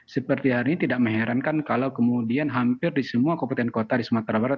seperti hari ini tidak mengherankan kalau kemudian hampir di semua kabupaten kota di sumatera barat